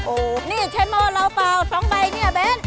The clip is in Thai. โอ้นี่ใช่หม้อเราเปล่าสองใบนี่เบน